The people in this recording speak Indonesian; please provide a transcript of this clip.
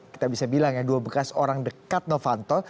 kita bisa bilang ya dua bekas orang dekat novanto